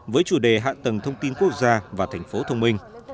với chủ đề hạ tầng thông tin quốc gia và thành phố thông minh